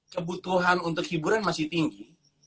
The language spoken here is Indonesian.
kebutuhan untuk hiburan masih tinggi